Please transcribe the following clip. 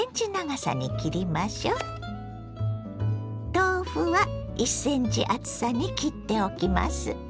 豆腐は１ｃｍ厚さに切っておきます。